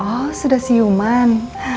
oh sudah siuman